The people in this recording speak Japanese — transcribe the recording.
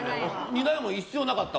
２台も必要なかった。